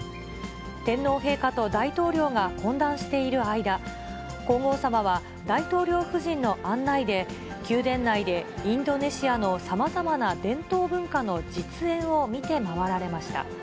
天皇陛下と大統領が懇談している間、皇后さまは、大統領夫人の案内で、宮殿内でインドネシアのさまざまな伝統文化の実演を見て回られました。